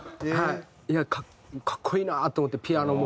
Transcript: いや格好いいなと思ってピアノも。